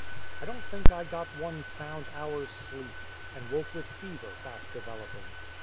I don't think I got one sound hour's sleep, and woke with fever fast developing.